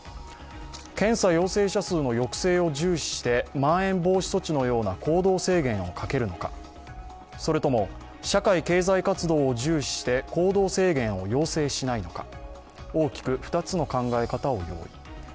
検査陽性者数の抑制を重視して行動制限をかけるのかそれとも社会経済活動を重視して行動制限を要請しないのか大きく２つの考え方を用意。